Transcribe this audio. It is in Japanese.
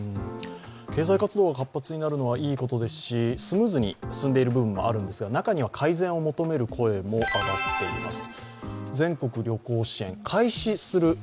経済活動が活発になることはいいことですしスムーズに進んでいる部分もあるんですが中には、改善を求める声も上がっています。